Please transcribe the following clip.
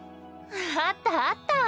あったあった！